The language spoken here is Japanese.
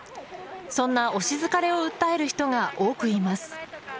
そんな推し疲れを訴える人が多くいます。